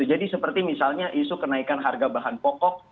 jadi seperti misalnya isu kenaikan harga bahan pokok